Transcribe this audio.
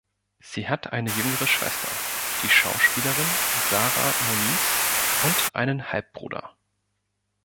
Sie hat eine jüngere Schwester, die Schauspielerin Sara Moniz, und einen Halbbruder.